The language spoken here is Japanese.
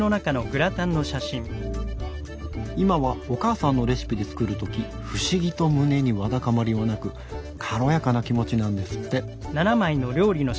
今はお母さんのレシピで作る時不思議と胸にわだかまりはなく軽やかな気持ちなんですって。